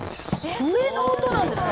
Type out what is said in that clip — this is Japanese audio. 笛の音なんですか？